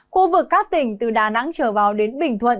khu vực các tỉnh từ đà nẵng trở vào đến bình thuận